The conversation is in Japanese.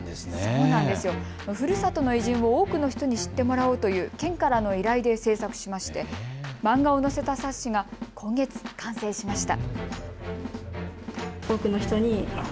ふるさとの偉人を多くの人に知ってもらおうという県からの依頼で制作しまして漫画を載せた冊子が今月、完成しました。